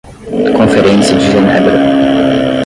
Conferência de Genebra